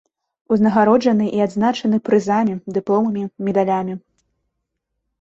Узнагароджаны і адзначаны прызамі, дыпломамі, медалямі.